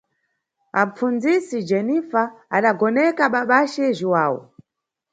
Apfundzisi Jenifa adagoneka babace Jhuwawu.